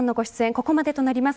ここまでとなります。